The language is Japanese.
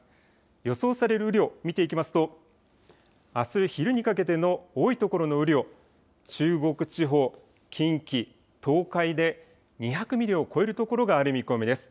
予想される雨量、見ていきますと、あす昼にかけての多い所の雨量、中国地方、近畿、東海で２００ミリを超える所がある見込みです。